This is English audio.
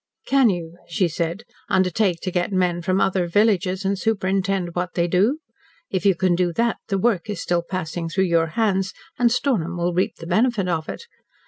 "Can you," she said, "undertake to get men from other villages, and superintend what they do? If you can do that, the work is still passing through your hands, and Stornham will reap the benefit of it.